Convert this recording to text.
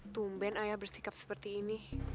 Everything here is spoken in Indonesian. tumben ayah bersikap seperti ini